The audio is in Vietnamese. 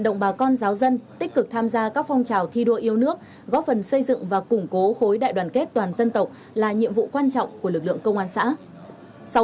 động bà con giáo dân tích cực tham gia các phong trào thi đua yêu nước góp phần xây dựng và củng cố khối đại đoàn kết toàn dân tộc là nhiệm vụ quan trọng của lực lượng công an xã